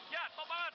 ya top banget